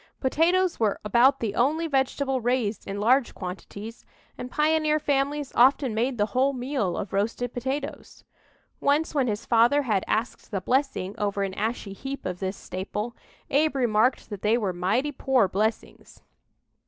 Potatoes were about the only vegetable raised in large quantities, and pioneer families often made the whole meal of roasted potatoes. Once when his father had "asked the blessing" over an ashy heap of this staple, Abe remarked that they were "mighty poor blessings!"